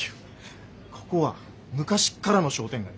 ここは昔っからの商店街。